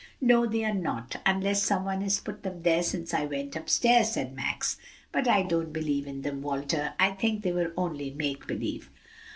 "No, they are not, unless some one has put them there since I went up stairs," said Max. "But I don't believe in them, Walter. I think they were only make believe."